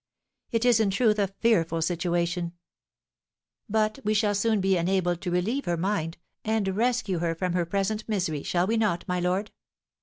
It is, in truth, a fearful situation. But we shall soon be enabled to relieve her mind, and rescue her from her present misery, shall we not, my lord?